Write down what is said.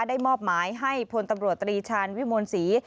ได้มอบหมายให้พลตำรวจตรีชาญวิมวลศรี